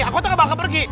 angkotnya gak bakal pergi